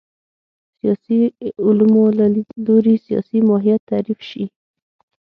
سیاسي علومو له لید لوري سیاست ماهیت تعریف شي